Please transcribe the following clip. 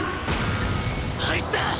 入った！